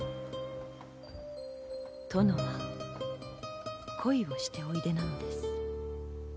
殿は恋をしておいでなのです。